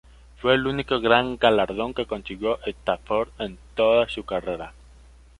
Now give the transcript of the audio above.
Fue el único gran galardón que consiguió Stafford en toda su carrera.